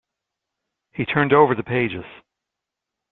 He turned over the pages.